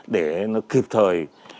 để nó kịp thời